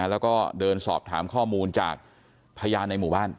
แล้วก็เดินสอบถามข้อมูลจากพยานในหมู่บ้าน